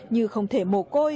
như không thể mồ côi